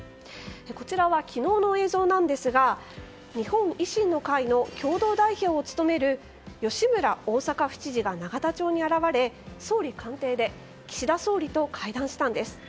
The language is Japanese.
こちらは昨日の映像なんですが日本維新の会の共同代表を務める吉村大阪府知事が永田町に現れ総理官邸で岸田総理と会談したんです。